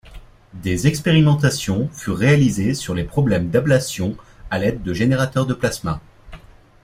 Des expérimentations furent réalisées sur les problèmes d'ablation à l'aide de générateurs de plasma.